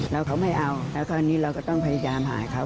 แล้วเขาไม่เอาแล้วคราวนี้เราก็ต้องพยายามหาเขา